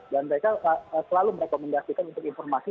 dan mereka selalu merekomendasikan untuk informasi